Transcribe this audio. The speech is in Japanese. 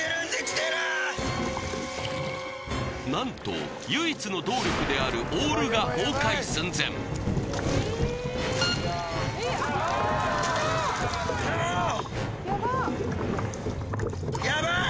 何と唯一の動力であるオールが崩壊寸前ああ！